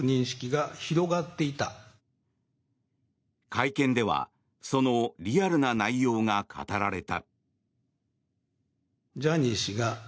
会見ではそのリアルな内容が語られた。